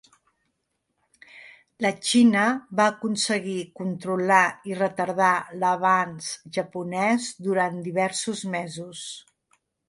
La Xina va aconseguir controlar i retardar l'avanç japonès durant diversos mesos.